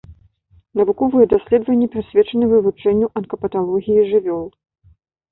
Навуковыя даследаванні прысвечаны вывучэнню анкапаталогіі жывёл.